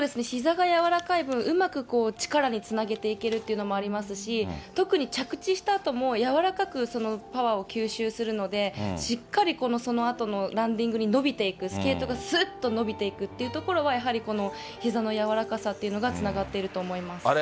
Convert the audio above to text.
ひざが柔らかい分、うまく力につなげていけるというのもありますし、特に着地したあとも、柔らかくパワーを吸収するので、しっかりそのあとのランディングに伸びていく、スケートがすっと伸びていくっていうところは、やはりこのひざの柔らかさっていうのがつながっていると思います。